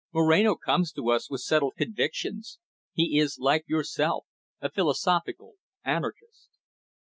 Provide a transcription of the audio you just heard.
"Moreno comes to us with settled convictions. He is, like yourself, a philosophical anarchist."